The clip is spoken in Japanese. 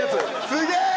すげえ！